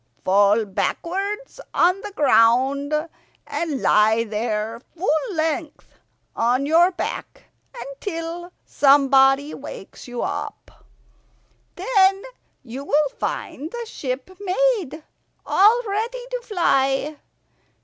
Fall backwards on the ground, and lie there, full length on your back, until somebody wakes you up. Then you will find the ship made, all ready to fly.